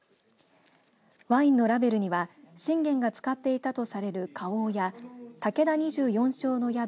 ワインのラベルには信玄が使っていたとされる花押や武田二十四将の宿